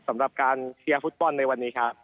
สำหรับการเชียร์ฟุตบอลในวันนี้ครับ